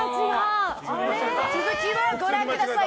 続きをご覧ください。